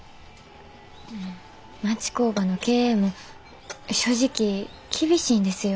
町工場の経営も正直厳しいんですよ。